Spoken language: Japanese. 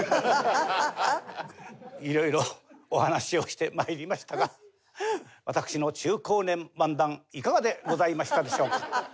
色々お話をして参りましたが私の中高年漫談いかがでございましたでしょうか？